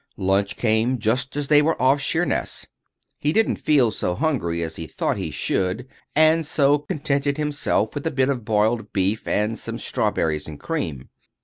Lunch came just as they were off Sheerness. He didn't feel so hungry as he thought he should, and so contented himself with a bit of boiled beef, and some strawberries and cream.